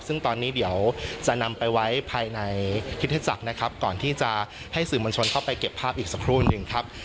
ซึ่งตอนนี้เดี๋ยวจะนำไปไว้ภายในคิตจักรนะครับก่อนที่จะให้สื่อมวลชนเข้าไปเก็บภาพอีกสักครู่หนึ่งครับ